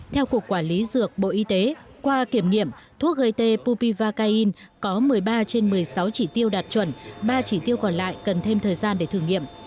theo cục quản lý dược bộ y tế qua kiểm nghiệm thuốc gai t bupi và cain có một mươi ba trên một mươi sáu chỉ tiêu đạt chuẩn ba chỉ tiêu còn lại cần thêm thời gian để thử nghiệm